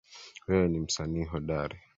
Wewe ni msanii hodari